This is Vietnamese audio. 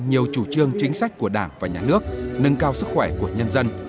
nhiều chủ trương chính sách của đảng và nhà nước nâng cao sức khỏe của nhân dân